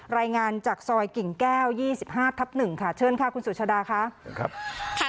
รายงานจากซอยกิ่งแก้ว๒๕ทับ๑ค่ะเชิญค่ะคุณสุชาดาค่ะ